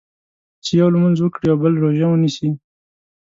چې یو لمونځ وکړي او بل روژه ونیسي.